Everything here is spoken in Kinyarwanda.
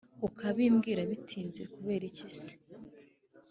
Ukabimbwira bitinze kubera iki se